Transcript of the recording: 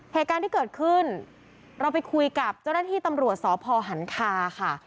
เหตุการณ์ที่เกิดขึ้นเราไปคุยกับเจ้าหน้าที่ตำรวจสพหันคาค่ะ